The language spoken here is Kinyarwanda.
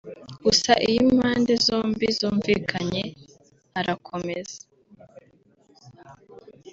gusa iyo impande zombi zumvikanye arakomeza